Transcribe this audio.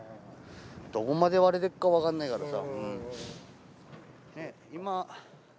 どこまで割れてっか分かんないからさ。